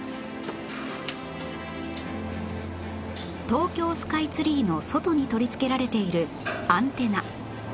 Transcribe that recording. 東京スカイツリーの外に取り付けられているアンテナ